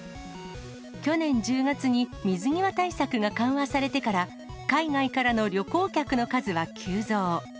去年１０月に水際対策が緩和されてから、海外からの旅行客の数は急増。